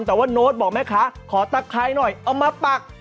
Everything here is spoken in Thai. แต่ว่าโน้ตบอกแม่ค้าขอตะไคร้หน่อยเอามาปัก